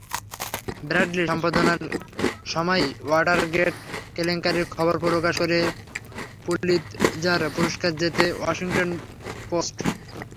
ব্র্যাডলির সম্পাদনার সময়ই ওয়াটারগেট কেলেঙ্কারির খবর প্রকাশ করে পুলিৎজার পুরস্কার জেতে ওয়াশিংটন পোস্ট।